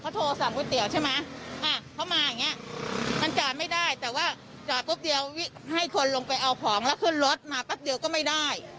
ไปเอาของแล้วขึ้นรถมาแป๊บเดียวก็ไม่ได้